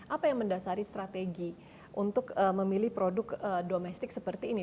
apa yang mendasari strategi untuk memilih produk domestik seperti ini